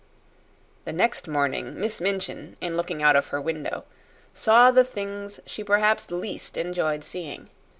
The next morning, Miss Minchin, in looking out of her window, saw the things she perhaps least enjoyed seeing.